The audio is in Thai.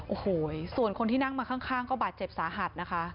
โอ้โหส่วนคนที่นั่งมาข้างก็บาดเจ็บสาหัสนะคะ